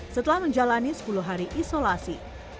setelah menjalani sepuluh hari isolasi